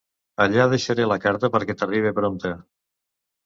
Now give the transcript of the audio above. Allà deixaré la carta perquè t'arribe prompte.